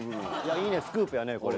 いいねスクープやねこれ。